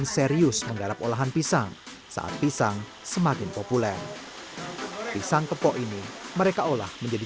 serius menggarap olahan pisang saat pisang semakin populer pisang kepok ini mereka olah menjadi